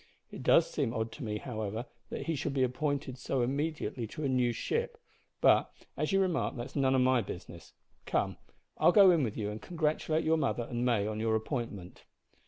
It does seem odd to me, however, that he should be appointed so immediately to a new ship, but, as you remarked, that's none of my business. Come, I'll go in with you and congratulate your mother and May on your appointment."